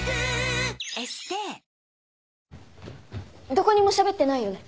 どこにもしゃべってないよね？